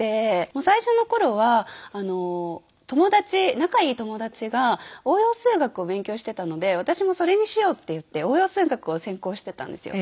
もう最初の頃は友達仲いい友達が応用数学を勉強してたので「私もそれにしよう」っていって応用数学を専攻してたんですよ。